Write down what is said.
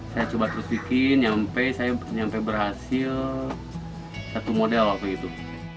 saya coba terus bikin sampai berhasil satu model waktu itu